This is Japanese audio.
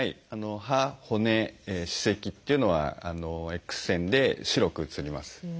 歯骨歯石っていうのはＸ線で白く写ります。